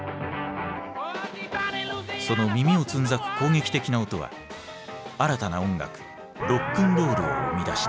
その耳をつんざく攻撃的な音は新たな音楽ロックンロールを生みだした。